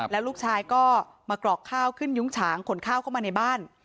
แล้วลูกชายก็มากรอกข้าวขึ้นยุ้งฉางขนข้าวเข้ามาในบ้าน